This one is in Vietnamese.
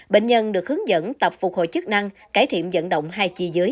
bệnh nhân được hướng dẫn tập phục hồi chức năng cải thiện dẫn động hai chi dưới